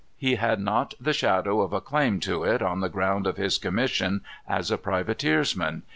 He had not the shadow of a claim to it on the ground of his commission as a privateersman.